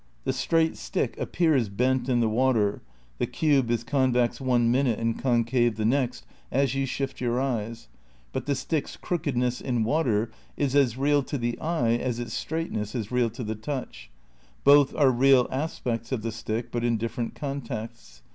The straight stick appears bent in the water, the cube is convex one min ute and concave the next, as you shift your eyes, but the stick's crookedness in water is as real to the eye as its straightness is real to ^he touch; both are real aspects of the stick, but in different contexts.